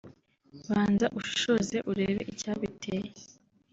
banza ushishoze urebe icyabiteye